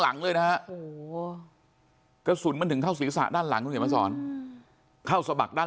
หลังเลยนะกระสุนมันถึงเข้าศรีษะด้านหลังเข้าสมัครด้าน